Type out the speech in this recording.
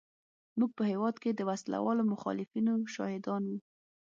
موږ په هېواد کې د وسله والو مخالفینو شاهدان وو.